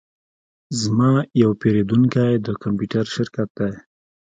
زما یو پیرودونکی د کمپیوټر شرکت دی